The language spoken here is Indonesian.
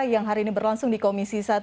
yang hari ini berlangsung di komisi satu